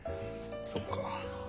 そっか。